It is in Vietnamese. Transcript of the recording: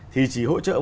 thì chỉ hỗ trợ một phần